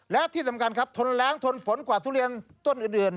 และที่สำคัญครับทนแรงทนฝนกว่าทุเรียนต้นอื่น